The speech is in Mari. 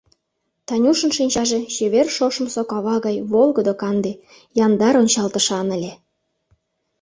Танюшын шинчаже чевер шошымсо кава гай волгыдо-канде, яндар ончалтышан ыле.